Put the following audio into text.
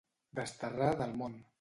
Desterrar del món.